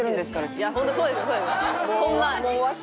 いやホントそうですそうです。